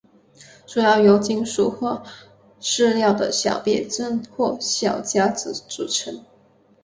主要由金属或塑料的小别针或小夹子组成。